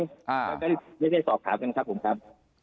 แล้วก็ไม่ได้สอบถามกันครับผมครับ